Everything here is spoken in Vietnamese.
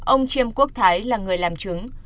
ông chiêm quốc thái là người làm chứng